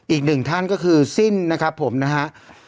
อีกหนึ่งท่านก็คือสิ้นนะครับผมนะฮะ